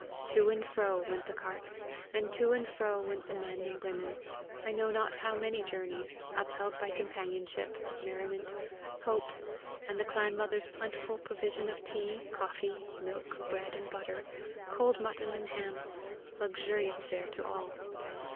To and fro went the carts, and to and fro went the men and women, I know not how many journeys, upheld by companionship, merriment, hope, and the clan mother's plentiful provision of tea, coffee, milk, bread and butter, cold mutton and ham luxurious fare to all.